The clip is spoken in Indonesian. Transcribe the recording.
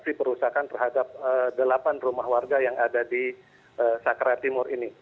aksi perusakan terhadap delapan rumah warga yang ada di sakrai timur ini